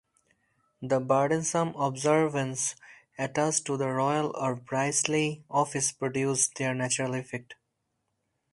The burdensome observances attached to the royal or priestly office produced their natural effect.